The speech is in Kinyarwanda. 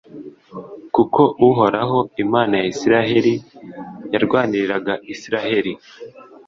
kuko uhoraho, imana ya israheli, yarwaniraga israheli